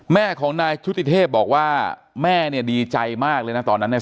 แม่ของนายชุติเทพบอกว่าแม่เนี่ยดีใจมากเลยนะตอนนั้นเนี่ย